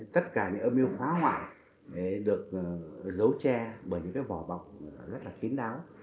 tất cả những âm mưu phá hoại được giấu che bởi những cái vỏ bọc rất là kín đáo